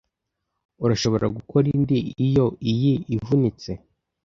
Urashobora gukora indi iyo iyi ivunitse.